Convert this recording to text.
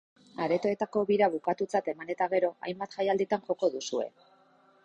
Aretoetako bira bukatutzat eman eta gero, hainbat jaialditan joko duzue.